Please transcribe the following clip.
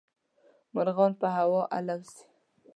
مرغان په هوا الوزي.